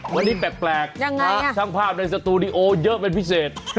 วันนี้แปลกแปลกยังไงอ่ะช่างภาพในสตูดิโอเยอะเป็นพิเศษ